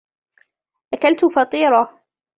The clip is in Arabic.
اكلت فطيرة